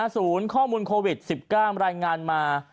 ศูนย์ข้อมูลโควิด๑๙รายงานมา